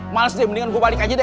males deh mendingan gue balik aja deh